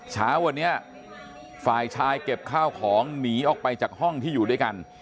เช้าวันนี้ฝ่ายชายเก็บข้าวของหนีออกไปจากห้องที่อยู่ด้วยกัน